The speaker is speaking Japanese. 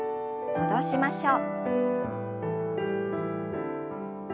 戻しましょう。